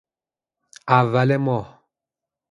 اول ماه